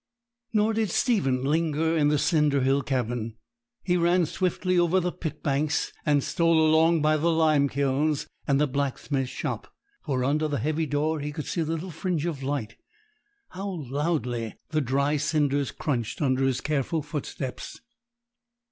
Nor did Stephen linger in the cinder hill cabin. He ran swiftly over the pit banks, and stole along by the limekilns and the blacksmith's shop, for under the heavy door he could see a little fringe of light. How loudly the dry cinders cranched under his careful footsteps!